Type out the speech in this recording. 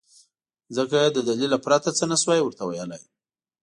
ځکه يې له دليله پرته څه نه شوای ورته ويلی.